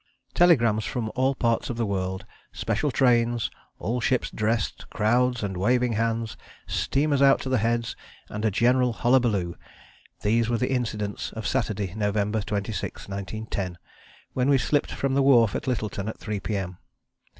Telegrams from all parts of the world, special trains, all ships dressed, crowds and waving hands, steamers out to the Heads and a general hullabaloo these were the incidents of Saturday, November 26, 1910, when we slipped from the wharf at Lyttelton at 3 P.M.